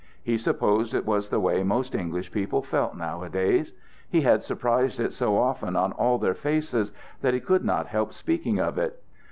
He supposed it was the way most English people felt nowadays. He had surprised it so often on all their faces, that he could not help speaking of it.